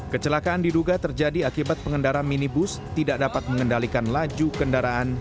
kecelakaan diduga terjadi akibat pengendara minibus tidak dapat mengendalikan laju kendaraan